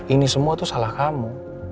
ini semua itu salah kamu